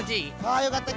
あよかった。